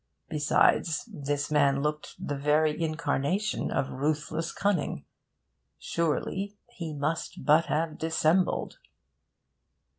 Besides, this man looked the very incarnation of ruthless cunning. Surely, he must but have dissembled.